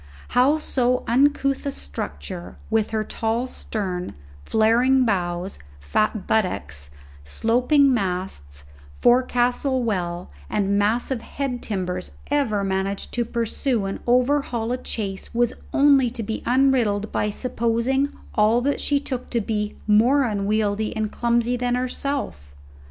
How so uncouth a structure, with her tall stern, flairing bows, fat buttocks, sloping masts, forecastle well, and massive head timbers ever managed to pursue and overhaul a chase was only to be unriddled by supposing all that she took to be more unwieldy and clumsy than herself.